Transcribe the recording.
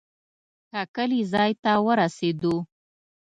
ټاکلي ځای ته ورسېدو.